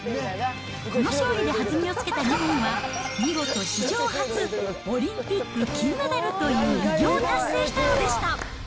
この勝利で弾みをつけた日本は、見事史上初、オリンピック金メダルという偉業を達成したのでした。